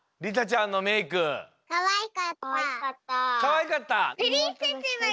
かわいかった？